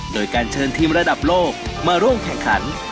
โดยการเชิญทีมระดับโลกมาร่วมแข่งขัน